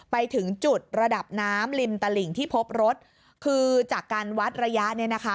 ไปถึงจุดระดับน้ำริมตลิ่งที่พบรถคือจากการวัดระยะเนี่ยนะคะ